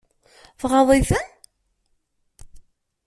Tɣaḍ-iten?